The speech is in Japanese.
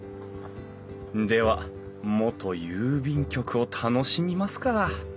では元郵便局を楽しみますか！